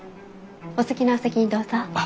お好きなお席にどうぞ。